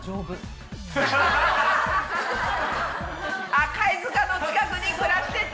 あ貝塚の近くに暮らしてて。